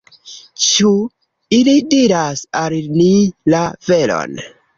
Ĉu ili diras al ni la veron?